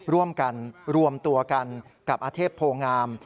ร่วมกันรวมตัวกันกับอเทพโพงาม